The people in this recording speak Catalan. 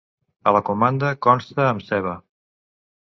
A la comanda consta amb ceba.